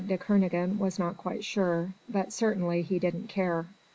de Kernogan was not quite sure, but he certainly didn't care.